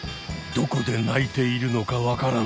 どこで鳴いているのかわからない。